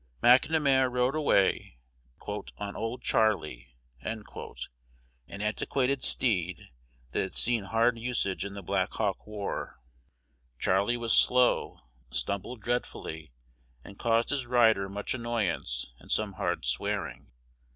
McNamar rode away "on old Charley," an antiquated steed that had seen hard usage in the Black Hawk War. Charley was slow, stumbled dreadfully, and caused his rider much annoyance and some hard swearing.